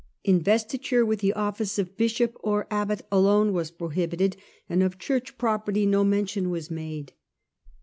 Investiture with the office of bishop or abbot alone was prohibited, and of church property no mention was made.